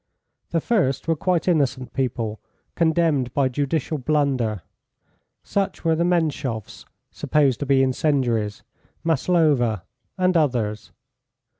The first were quite innocent people, condemned by judicial blunder. Such were the Menshoffs, supposed to be incendiaries, Maslova, and others.